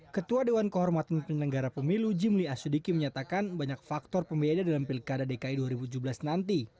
ketua dewan kehormatan penyelenggara pemilu jimli asyidiki menyatakan banyak faktor pembeda dalam pilkada dki dua ribu tujuh belas nanti